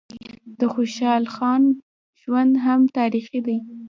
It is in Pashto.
د خوشحال خان ژوند هم تاریخي دی.